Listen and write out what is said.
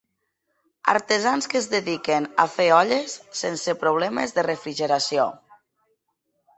Artesans que es dediquen a fer olles sense problemes de refrigeració.